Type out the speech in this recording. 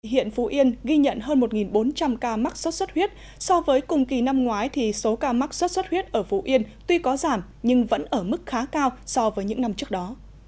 hiện phú yên ghi nhận hơn một bốn trăm linh ca mắc sốt xuất huyết so với cùng kỳ năm ngoái thì số ca mắc sốt xuất huyết ở phú yên tuy có giảm nhưng vẫn ở mức khá cao so với những năm trước đó